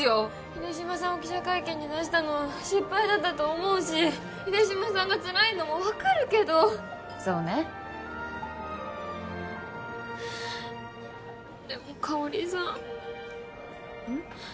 秀島さんを記者会見に出したのは失敗だったと思うし秀島さんがつらいのも分かるけどそうねでもかほりさんうん？